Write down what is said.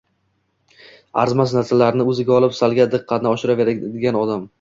Arzimas narsalarni o‘ziga olib, salga diqqati oshaveradigan odam